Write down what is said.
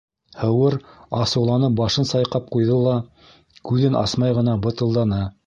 Һыуыр, асыуланып, башын сайҡап ҡуйҙы ла, күҙен асмай ғына бытылданы: